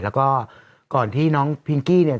แล้วก็ก่อนที่น้องพิงกี้เนี่ย